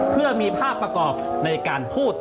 เพื่อมีภาพประกอบในการพูด